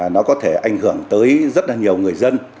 nó có thể ảnh hưởng tới rất là nhiều người dân